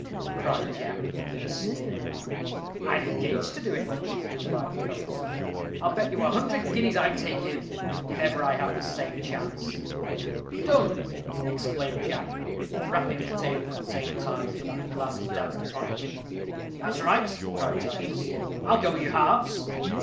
cried Jack, with a sneer. "I'd engage to do it," replied Coates. "I'll bet you a hundred guineas I take him, if I ever have the same chance." "Done!" exclaimed Jack, rapping the table at the same time, so that the glasses danced upon it. "That's right," cried Titus. "I'll go you halves."